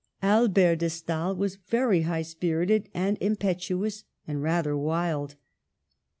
Albert de Stael was very high spirited and impetuous, and rather wild.